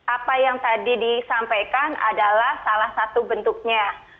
apa yang tadi disampaikan adalah salah satu bentuknya